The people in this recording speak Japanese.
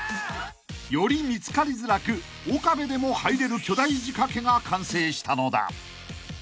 ［より見つかりづらく岡部でも入れる巨大仕掛けが完成したのだ］